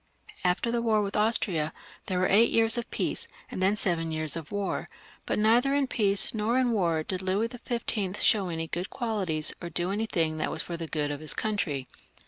After the war with Austria there were eight years of peace, and then seven years of war, but neither in peace nor in war did Louis XV, show any good qualities or do .372 LOUIS XV. [CH. / anything that was for the good of his country.